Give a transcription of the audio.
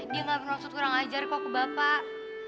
dia gak punya maksud kurang ajar kok ke bapak